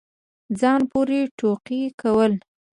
ځان پورې ټوقې كول